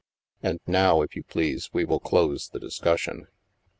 And now, if you please, we will close the discussion."